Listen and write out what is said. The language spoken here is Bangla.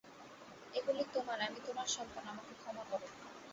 এগুলি তোমার! আমি তোমার সন্তান, আমাকে ক্ষমা কর।